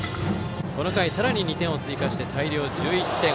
この回、さらに２点を追加して大量１１点。